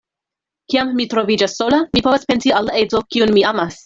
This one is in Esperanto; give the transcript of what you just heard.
Kiam mi troviĝas sola, mi povas pensi al la edzo, kiun mi amas.